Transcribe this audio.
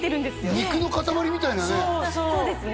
肉の塊みたいなね